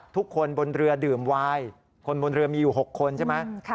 ทุกคนบนเรือดื่มวายคนบนเรือมีอยู่๖คนใช่ไหม